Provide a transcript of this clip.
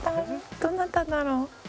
どなただろう？